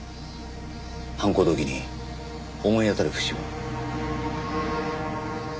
犯行動機に思い当たる節は？